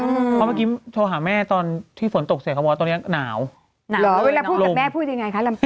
เพราะเมื่อกี้โทรหาแม่ตอนที่ฝนตกเสร็จเขาบอกว่าตอนนี้หนาวหนาวเวลาพูดกับแม่พูดยังไงคะลำตี